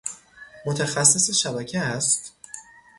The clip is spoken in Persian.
متخصص شبکه است؟